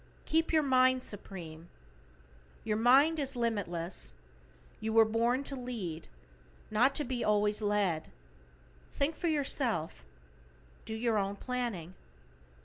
=KEEP YOUR MIND SUPREME:= Your mind is limitless. You were born to lead, not to be always led. Think for yourself. Do your own planning.